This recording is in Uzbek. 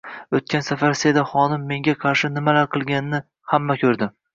O‘tgan safar Seda xonim menga qarshi nimalar qilganini hamma ko‘rdi